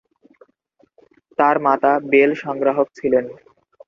তার মাতা বেল সংগ্রাহক ছিলেন।